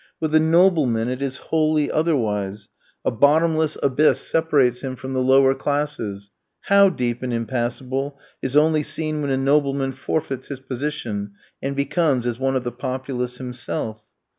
With the nobleman it is wholly otherwise; a bottomless abyss separates him from the lower classes, how deep and impassable is only seen when a nobleman forfeits his position and becomes as one of the populace himself.